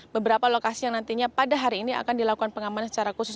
beberapa lokasi yang nantinya pada hari ini akan dilakukan pengamanan secara khusus